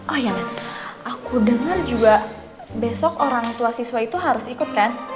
oh ya aku dengar juga besok orang tua siswa itu harus ikut kan